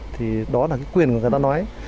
thì đó là cái quyền của người ta nói